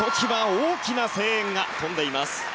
大きな声援が飛んでいます。